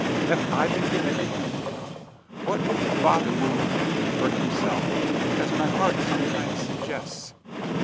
Have I been given to him? What if the Father will retain me for himself, as my heart sometimes suggests?